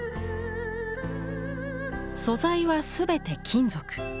素材は全て金属。